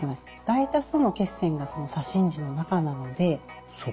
大多数の血栓が左心耳の中なので。